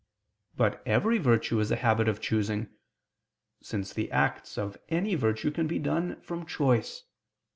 But every virtue is a habit of choosing: since the acts of any virtue can be done from choice.